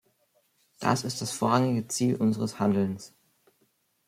Das ist das vorrangige Ziel unseres Handelns.